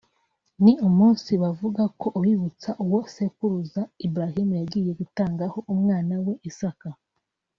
ni umunsi bavuga ko ubibutsa uwo sekuruza Ibrahim yagiye gutangaho umwana we Isaka